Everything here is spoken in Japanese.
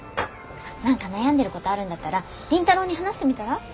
何か悩んでることあるんだったら凛太朗に話してみたら？